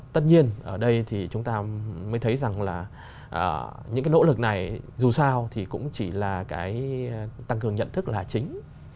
tất nhiên ở đây thì chúng ta mới thấy rằng là những cái nỗ lực này dù sao thì cũng chỉ là cái tăng cường nhận thức là chính